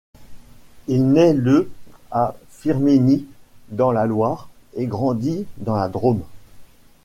Il naît le à Firminy dans la Loire, et grandit dans la Drôme.